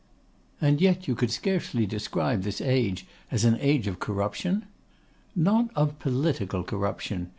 'And yet you could scarcely describe this as an age of corruption?' 'Not of political corruption.